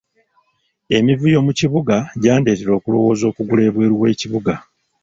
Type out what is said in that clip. Emivuyo mu kibuga gyandeetera okulowooza okugula ebweru w’ekibuga.